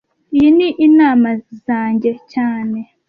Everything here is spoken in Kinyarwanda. Iyi ni inama zanjye cyane